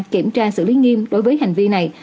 kiểm tra xử lý nghiêm đối với hành vi này